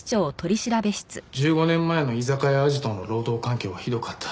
１５年前の居酒屋あじとの労働環境はひどかった。